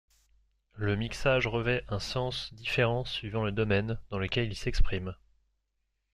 Le mixage revêt un sens différent suivant le domaine dans lequel il s'exprime.